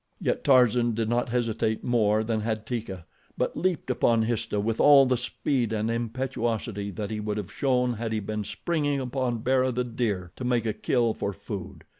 Yet Tarzan did not hesitate more than had Teeka, but leaped upon Histah with all the speed and impetuosity that he would have shown had he been springing upon Bara, the deer, to make a kill for food.